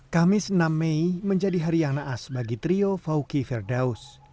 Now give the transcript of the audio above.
kamis enam mei menjadi hari yang naas bagi trio fawki firdaus